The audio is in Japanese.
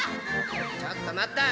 ちょっと待った。